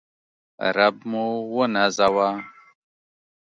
رب موونازوه